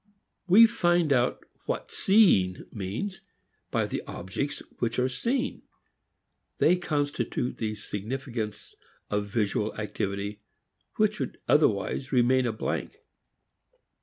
We find out what seeing means by the objects which are seen. They constitute the significance of visual activity which would otherwise remain a blank.